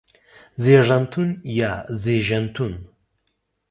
زيږنتون يا زيژنتون